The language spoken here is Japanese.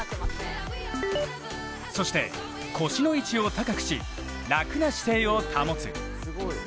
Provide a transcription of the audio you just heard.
そして、腰の位置を高くし楽な姿勢を保つ。